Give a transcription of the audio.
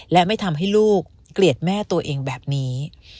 และไม่ทำให้ลูกเกลียดแม่ตัวเองแบบนี้